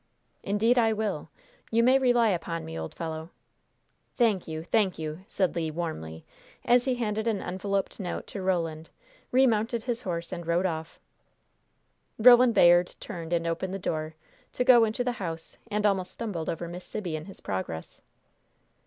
"Indeed, I will. You may rely upon me, old fellow." "Thank you, thank you!" said Le, warmly, as he handed an enveloped note to Roland, remounted his horse and rode off. Roland Bayard turned and opened the door, to go into the house, and almost stumbled over Miss Sibby in his progress.